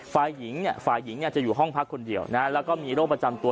ฝ่ายหญิงจะอยู่ห้องพักคนเดียวและมีโรคประจำตัว